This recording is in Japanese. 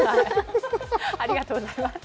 ありがとうございます。